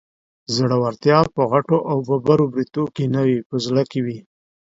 زړورتيا په غټو او ببرو برېتو کې نه وي، په زړه کې وي